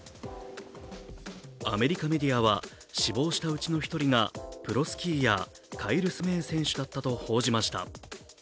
アメリカメディアは死亡したうちの１人がプロスキーヤーカイル・スメーン選手だったと報じました。